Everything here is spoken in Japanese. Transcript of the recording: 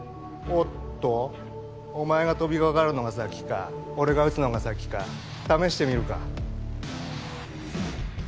おっとお前が飛びかかるのが先か俺が撃つのが先か試してみるか？